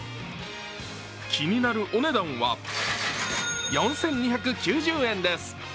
気になるお値段は４２９０円です。